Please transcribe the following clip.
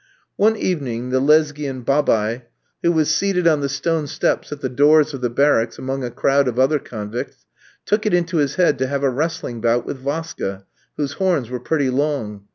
One evening, the Lesghian Babaï, who was seated on the stone steps at the doors of the barracks among a crowd of other convicts, took it into his head to have a wrestling bout with Vaska, whose horns were pretty long.